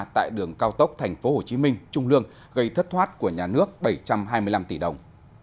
tại đường cao tốc tp hcm trung lương gây thất thoát của nhà nước bảy trăm hai mươi năm tỷ đồng